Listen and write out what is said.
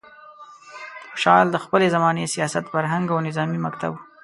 خوشحال د خپلې زمانې سیاست، فرهنګ او نظامي مکتب و.